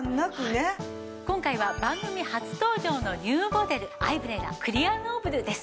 今回は番組初登場のニューモデルアイブレラクリアノーブルです。